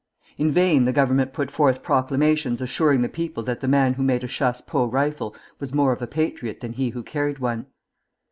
In vain the Government put forth proclamations assuring the people that the man who made a chassepot rifle was more of a patriot than he who carried one.